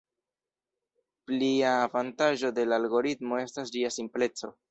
Plia avantaĝo de la algoritmo estas ĝia simpleco.